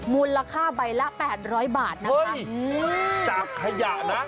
มูลราคาใบละ๘๐๐บาทจากขยะนะ